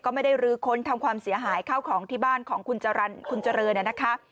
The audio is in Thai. ก็ไม่ได้ลื้อค้นทำความเสียหายเข้าของที่บ้านของคุณเจริญเนี่ยนะคะ